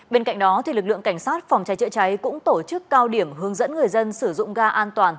bên cạnh đó lực lượng cảnh sát phòng cháy chữa cháy cũng tổ chức cao điểm hướng dẫn người dân sử dụng ga an toàn